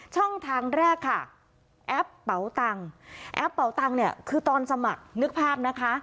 ช่องทางแรกค่ะแอปเป๋าตังค์แอปเป่าตังค์เนี่ยคือตอนสมัครนึกภาพนะคะ